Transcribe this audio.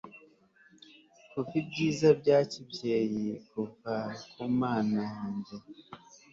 kuva ibyiza bya kibyeyi biva ku mana yanjye